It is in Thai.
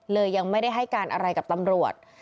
ยังไม่ได้ให้การอะไรกับตำรวจ